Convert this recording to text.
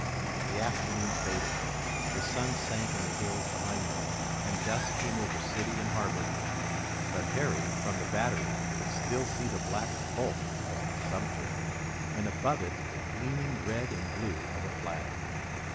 The afternoon faded. The sun sank in the hills behind them, and dusk came over city and harbor. But Harry, from the battery, could still see the black bulk of Sumter, and above it the gleaming red and blue of a flag.